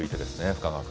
深川君。